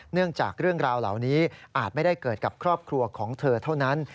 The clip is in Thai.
เนื่องจากเรื่องราวเหล่านี้อาจไม่ได้เกิดกับครอบครัวของเธอเท่านั้น